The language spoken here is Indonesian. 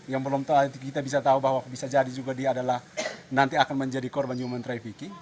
yang belum kita bisa tahu bahwa bisa jadi juga dia adalah nanti akan menjadi korban human trafficking